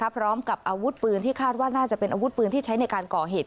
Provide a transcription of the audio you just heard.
พร้อมกับอาวุธปืนที่คาดว่าน่าจะเป็นอาวุธปืนที่ใช้ในการก่อเหตุ